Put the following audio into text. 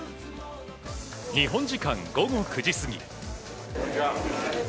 日本時間午後９時過ぎ。